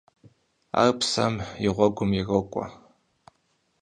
Ар псэм и гъуэгум ирокӀуэ.